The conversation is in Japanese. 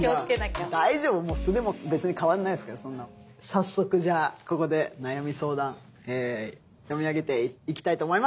早速じゃあここで悩み相談読み上げていきたいと思います。